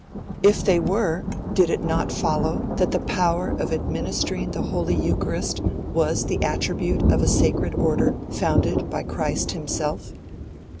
If they were, did it not follow that the power of administering the Holy Eucharist was the attribute of a sacred order founded by Christ Himself?